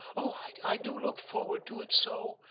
Oh, I do look forward to it so!